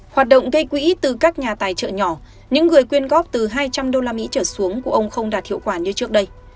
hoạt động gây quỹ từ các nhà tài trợ nhỏ những người quyên góp từ hai trăm linh usd trở xuống của ông không đạt hiệu quả như trước đây